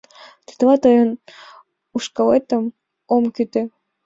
Тетла тыйын ушкалетым ом кӱтӧ.